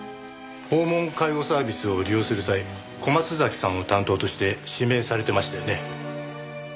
訪問介護サービスを利用する際小松崎さんを担当として指名されてましたよね？